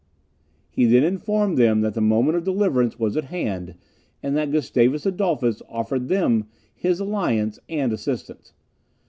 He then informed them that the moment of deliverance was at hand, and that Gustavus Adolphus offered them his alliance and assistance.